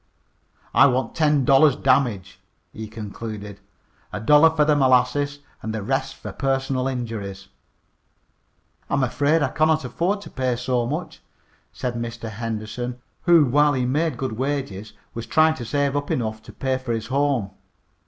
"I want ten dollars damage," he concluded. "A dollar fer the molasses an' the rest fer personal injuries." "I am afraid I cannot afford to pay so much," said Mr. Henderson, who, while he made good wages, was trying to save up enough to pay for his home.